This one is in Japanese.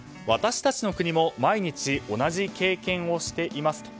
私たちの国も毎日、同じ経験をしています。